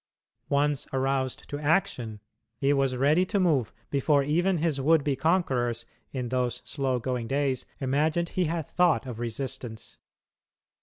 Once aroused to action, he was ready to move before even his would be conquerors, in those slow going days, imagined he had thought of resistance.